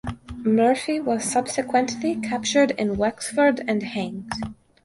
Murphy was subsequently captured in Wexford and hanged.